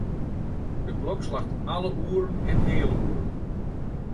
De klok slacht alle oeren en healoeren.